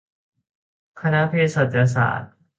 คณะเภสัชศาสตร์